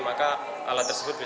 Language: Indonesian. maka alat tersebut bisa di start